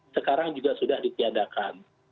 sekarang juga sudah ditiadakan